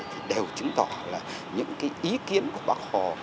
thì đều chứng tỏ là những cái ý kiến của bác hồ